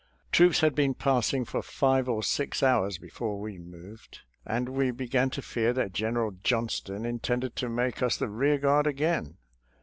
Troops had been passing for five or six hours before we moved, and we began to fear that General Johnston intended to make us the rear guard again.